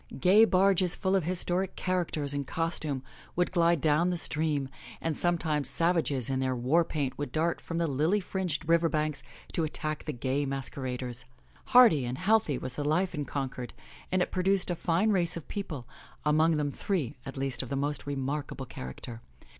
Gay barges full of historic characters in costume would glide down the stream, and sometimes savages in their war paint would dart from the lily fringed river banks to attack the gay masqueraders. Hearty and healthy was the life in Concord and it produced a fine race of people, among them three, at least, of most remarkable character.